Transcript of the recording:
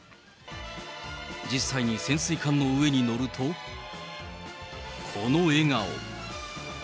実際に潜水艦の上に乗ると、この笑顔。